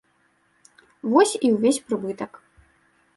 Вось і ўвесь прыбытак.